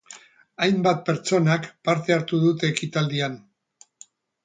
Hainbat pertsonak parte hartu dute ekitaldian.